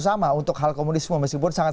sama untuk hal komunisme meskipun sangat